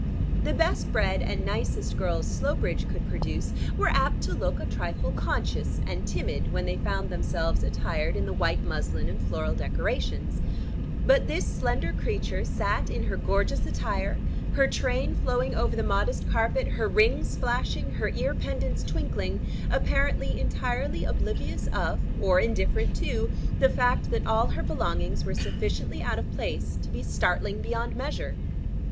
The best bred and nicest girls Slowbridge could produce were apt to look a trifle conscious and timid when they found themselves attired in the white muslin and floral decorations; but this slender creature sat in her gorgeous attire, her train flowing over the modest carpet, her rings flashing, her ear pendants twinkling, apparently entirely oblivious of, or indifferent to, the fact that all her belongings were sufficiently out of place to be startling beyond measure.